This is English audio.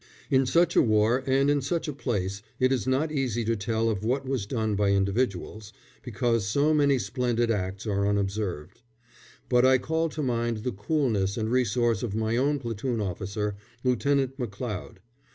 In such a war and in such a place it is not easy to tell of what was done by individuals, because so many splendid acts are unobserved; but I call to mind the coolness and resource of my own platoon officer, Lieutenant McLeod.